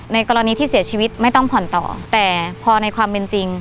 กรณีที่เสียชีวิตไม่ต้องผ่อนต่อแต่พอในความเป็นจริง